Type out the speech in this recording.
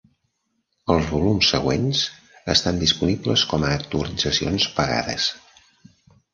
Els volums següents estan disponibles com a actualitzacions pagades.